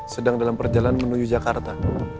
sedang dalam perjalanan menuju jakarta